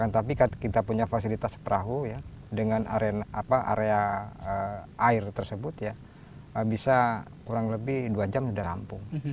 tapi kita punya fasilitas perahu dengan area air tersebut ya bisa kurang lebih dua jam sudah rampung